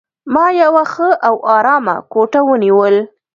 ما یوه ښه او آرامه کوټه ونیول.